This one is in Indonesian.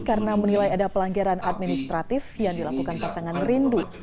karena menilai ada pelanggaran administratif yang dilakukan pasangan rindu